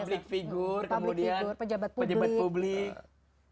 public figure kemudian pejabat publik